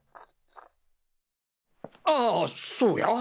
ああそうや！